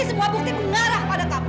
semua bukti mengarah pada kpk